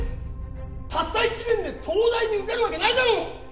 たった一年で東大に受かるわけないだろう！